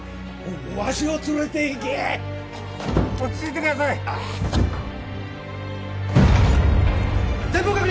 わしを連れていけ落ち着いてください前方確認！